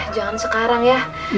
jangan sekarang ya